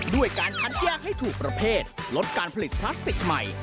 ด้วยการคัดแยกให้ถูกประเภทลดการผลิตพลาสติกใหม่